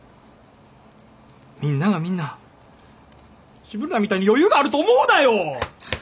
みんながみんな自分らみたいに余裕があると思うなよ！